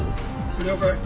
了解。